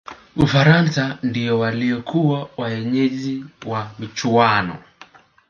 ufaransa ndiyo waliyokuwa waenyeji wa michuano